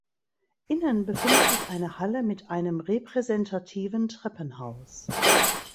Innen befindet sich eine Halle mit einem repräsentativen Treppenhaus.